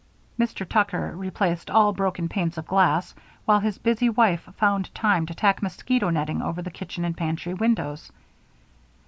Mr. Tucker replaced all broken panes of glass, while his busy wife found time to tack mosquito netting over the kitchen and pantry windows.